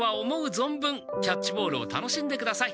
ぞんぶんキャッチボールを楽しんでください。